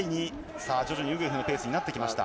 さあ、徐々にウグエフのペースになってきました。